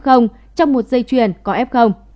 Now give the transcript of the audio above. trong một dây chuyền có f